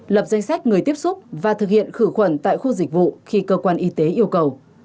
lập danh sách người tiếp xúc và thực hiện khử khuẩn tại khu dịch vụ khi cơ quan y tế yêu cầu